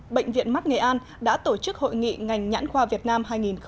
bệnh viện mắt nghệ an đã tổ chức hội nghị ngành nhãn khoa việt nam hai nghìn một mươi chín